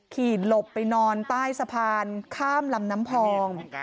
หลบไปนอนใต้สะพานข้ามลำน้ำพอง